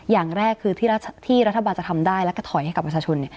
อย่างแรกคือที่รัฐบาลจะทำได้แล้วก็ถอยให้กับประชาชน